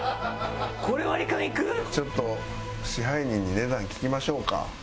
ちょっと支配人に値段聞きましょうか。